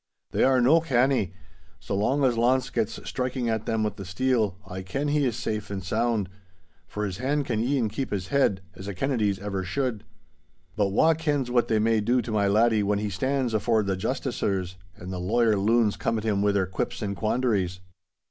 They are no canny. So long as Launce gets striking at them with the steel I ken he is safe and sound. For his hand can e'en keep his head, as a Kennedy's ever should. But wha kens what they may do to my laddie when he stands afore the justicers, and the lawyer loons come at him wi' their quips and quandaries?